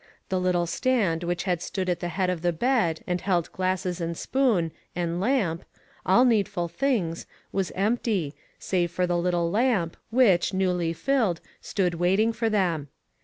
The little stand which had stood at the head of the bed, and held glasses and spoon, and lamp — all needful things — was empty, save for " WHERE IS JOHN ?" 477 the little lamp, which, newly filled, stood waiting for them.